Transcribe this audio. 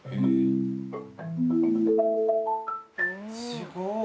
すごい。